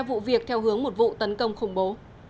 vụ việc theo hướng một vụ tấn công khủng bố